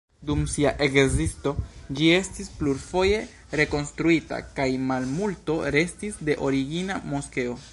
Dum sia ekzisto ĝi estis plurfoje rekonstruita, kaj malmulto restis de origina moskeo.